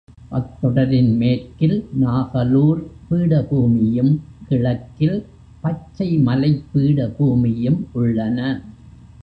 அத்தொடரின் மேற்கில் நாகலூர் பீடபூமியும், கிழக்கில் பச்சை மலைப் பீடபூமியும் உள்ளன.